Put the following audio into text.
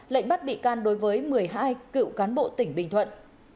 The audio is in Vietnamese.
lệnh bắt bị can đối với một mươi hai cựu cán bộ tỉnh bình thuận